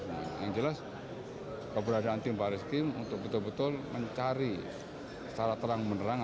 yang jelas keberadaan tim bareskrim untuk betul betul mencari secara terang menerang